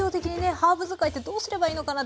ハーブ使いってどうすればいいのかなって